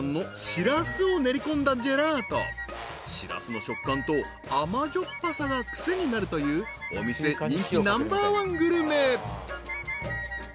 ［シラスの食感と甘じょっぱさが癖になるというお店人気ナンバーワングルメ］